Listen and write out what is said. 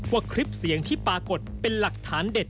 คลิปเสียงที่ปรากฏเป็นหลักฐานเด็ด